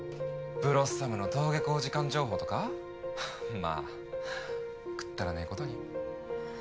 ブロッサムの登下校時間情報とかまあくっだらねえことに。